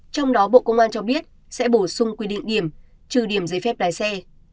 trong đó bộ công an cho biết sẽ bổ sung quy định điểm trừ điểm giấy phép lái xe